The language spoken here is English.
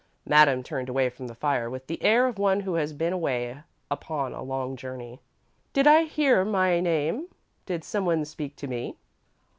Madame turned away from the fire, with the air of one who has been away upon a long journey. "Did I hear my name? Did someone speak to me?"